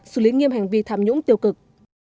xử lý nghiêm hành vi tham nhũng tiêu cực